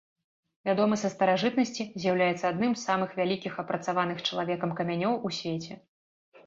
Вядомы са старажытнасці, з'яўляецца адным з самых вялікіх апрацаваных чалавекам камянёў у свеце.